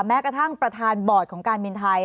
แม้กระทั่งประธานบอร์ดของการบินไทย